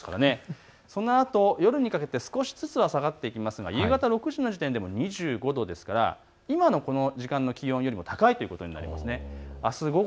そのあと夜にかけて少しずつ下がっていきますが夕方６時の時点でも２５度ですから今のこの時間よりも高いということです。